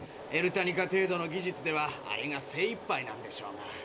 エルタニカ程度の技術ではあれが精いっぱいなんでしょうが。